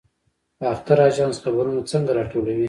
باختر اژانس خبرونه څنګه راټولوي؟